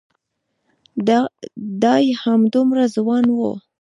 دای همدومره ځوان و.